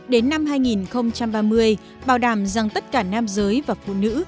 một bốn đến năm hai nghìn ba mươi bảo đảm rằng tất cả nam giới và phụ nữ